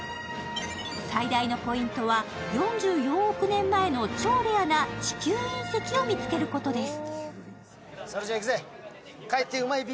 最大のポイントは、４４億年前の超レアな地球隕石を見つけることです。